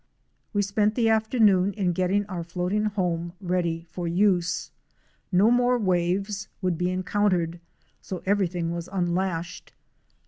We spent the afternoon in getting our floating home ready for use. No more waves would be encountered, so every thing was unlashed.